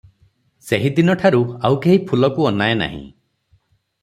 ସେହି ଦିନଠାରୁ ଆଉ କେହି ଫୁଲକୁ ଅନାଏ ନାହିଁ ।